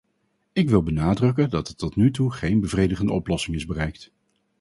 Ik wil benadrukken dat er tot nu toe geen bevredigende oplossing is bereikt.